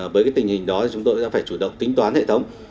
với tình hình đó chúng tôi đã phải chủ động tính toán hệ thống